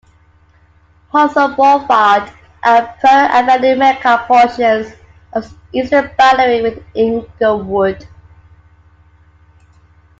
Hawthorne Boulevard and Prairie Avenue make up portions of its eastern boundary with Inglewood.